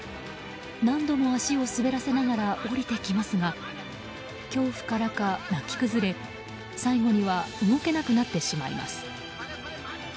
何度も足を滑らせながら下りてきますが恐怖からか泣き崩れ、最後には動けなくなってしまいます。